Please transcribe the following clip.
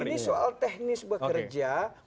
ini soal teknis bekerja